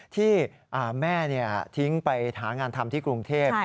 ที่แม่ทิ้งไปหางานทำที่กรุงเทพ